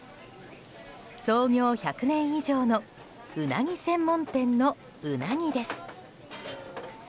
創業１００年以上のウナギ専門店のウナギです。